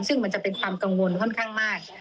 ซึ่งมันจะเป็นความกังวลค่อนข้างมาก